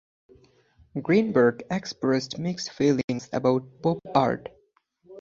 Greenberg expressed mixed feelings about pop art.